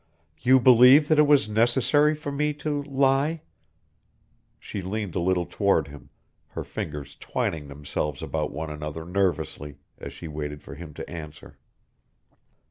"You believe that it was necessary for me to lie?" She leaned a little toward him, her fingers twining themselves about one another nervously, as she waited for him to answer.